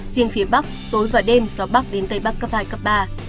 riêng phía bắc tối và đêm gió bắc đến tây bắc cấp hai cấp ba